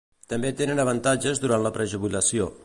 També tenen avantatges durant la prejubilació.